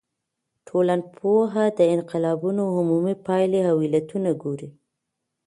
ټولنپوه د انقلابونو عمومي پايلي او علتونه ګوري.